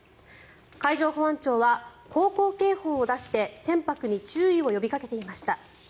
海上保安庁は航行警報を出して船舶に注意を呼びかけていました。